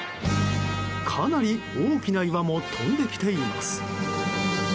かなり大きな岩も飛んできています。